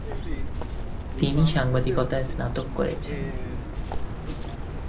তিনি সাংবাদিকতায় স্নাতক করেছেন।